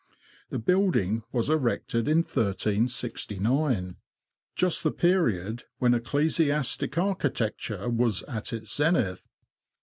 The building was erected in 1369, just the period when ecclesiastic architecture was at its zenith.